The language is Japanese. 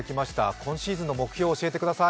今シーズンの目標を教えてください。